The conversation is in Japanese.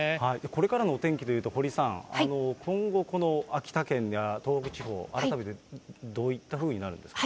これからのお天気でいうと、堀さん、今後、この秋田県や東北地方、改めてどういったふうになるんです